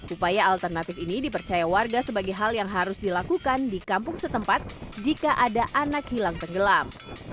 upaya alternatif ini dipercaya warga sebagai hal yang harus dilakukan di kampung setempat jika ada anak hilang tenggelam